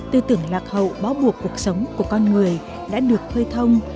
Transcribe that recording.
tư tưởng lạc hậu bó buộc cuộc sống của con người đã được khơi thông